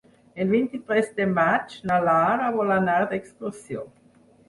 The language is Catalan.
El vint-i-tres de maig na Lara vol anar d'excursió.